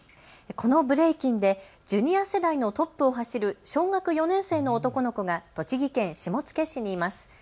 このブレイキンでジュニア世代のトップを走る小学４年生の男の子が栃木県下野市にいます。